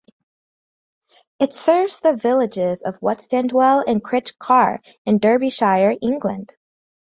It serves the villages of Whatstandwell and Crich Carr in Derbyshire, England.